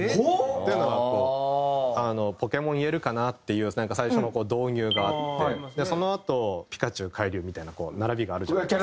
っていうのはこう「ポケモン言えるかな？」っていう最初の導入があってそのあと「ピカチュウ／カイリュー」みたいな並びがあるじゃないですか。